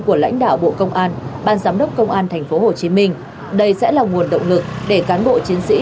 của lãnh đạo bộ công an ban giám đốc công an tp hcm đây sẽ là nguồn động lực để cán bộ chiến sĩ